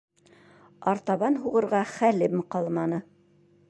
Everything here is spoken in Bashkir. Артабан һуғырға хәлем ҡалманы.